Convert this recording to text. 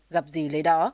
gặp gì lấy đó